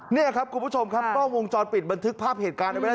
นี่ครับคุณผู้ชมครับกล้องวงจรปิดบันทึกภาพเหตุการณ์เอาไว้ได้